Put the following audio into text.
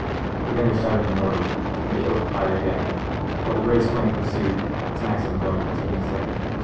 The gunner shouted an order, and they opened fire again, while the British 'plane pursued, its Maxim going continuously.